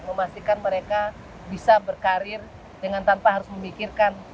memastikan mereka bisa berkarir dengan tanpa harus memikirkan